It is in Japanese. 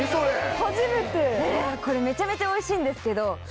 ・初めて・これめちゃめちゃおいしいんですけど。